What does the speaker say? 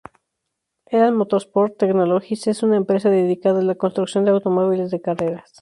Élan Motorsport Technologies es una empresa dedicada a la construcción de automóviles de carreras.